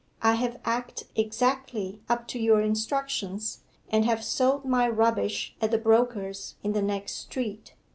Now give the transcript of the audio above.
I have acted exactly up to your instructions, and have sold my rubbish at the broker's in the next street.